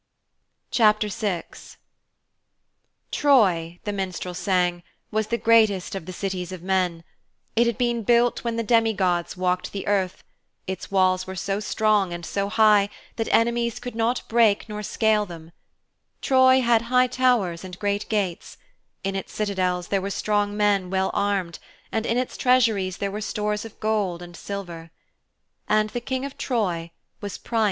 VI Troy, the minstrel sang, was the greatest of the Cities of men; it had been built when the demi gods walked the earth; its walls were so strong and so high that enemies could not break nor scale them; Troy had high towers and great gates; in its citadels there were strong men well armed, and in its treasuries there were stores of gold and silver. And the King of Troy was Priam.